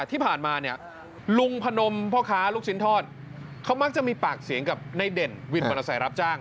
ที่ผ่านมาเนี่ยลุงพนมพ่อค้าลูกชิ้นทอดเขามักจะมีปากเสียงกับในเด่นวินมอเตอร์ไซค์รับจ้าง